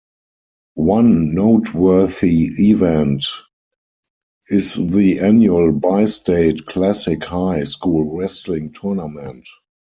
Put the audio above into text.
One noteworthy event is the annual Bi-State Classic high school wrestling tournament.